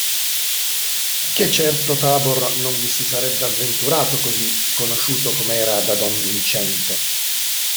Ché certo Tabor non vi si sarebbe avventurato così conosciuto com'era da don Viciente.